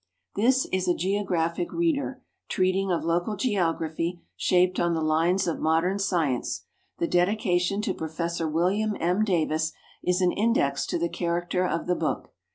This is a geographic reader, treating of local geography, shaped on the lines of modern science. The dedication to Professor William M. Davis is an index to the character of the book.